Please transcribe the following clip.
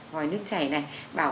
vòi nước chảy này